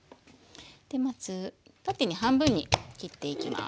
まず縦に半分に切っていきます。